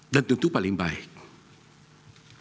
dan tentu paling baik